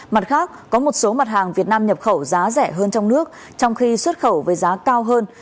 mặt khác có một số mặt hàng việt nam nhập khẩu giá rẻ hơn trong nước trong khi xuất khẩu với giá cao hơn